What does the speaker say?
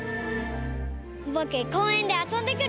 ぼくこうえんであそんでくるね！